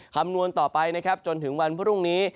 คำนวณต่อไปจนถึงวันพรุ่งนี้